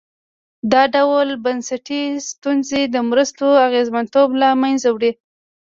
دا ډول بنسټي ستونزې د مرستو اغېزمنتوب له منځه وړي.